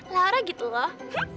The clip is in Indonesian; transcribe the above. lara gitu loh